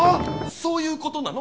そういう事なの？